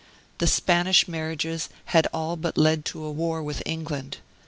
The Spanish marriages had all but led to a war with England.